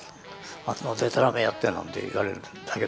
あんなでたらめやって」なんて言われるんだけど。